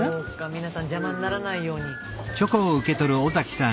皆さん邪魔にならないように。